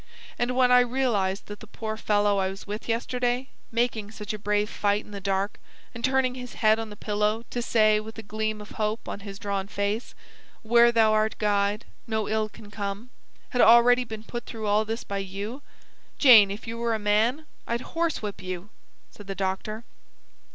And when I realise that the poor fellow I was with yesterday making such a brave fight in the dark, and turning his head on the pillow to say with a gleam of hope on his drawn face: `Where Thou art Guide, no ill can come' had already been put through all this by you Jane, if you were a man, I'd horsewhip you!" said the doctor.